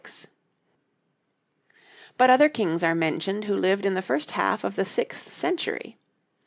But other kings are mentioned who lived in the first half of the sixth century.